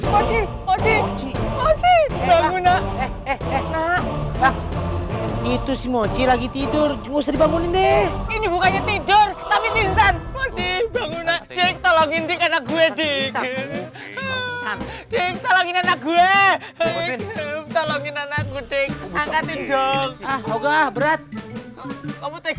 mochi bangun nak itu si mochi lagi tidur juga dibangunin deh ini bukannya tidur tapi